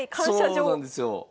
そうなんですよ。